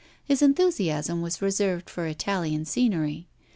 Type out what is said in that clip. His enthusiasm was reserved for Italian scenery.